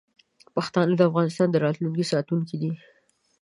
پښتانه د افغانستان د راتلونکي ساتونکي دي.